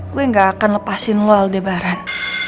gua nggak akan lepasin lo aldebaran